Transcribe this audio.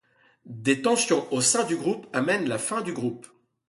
Des tensions au sein du groupe amènent la fin du groupe.